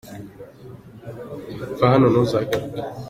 Va hano ntuzagaruke.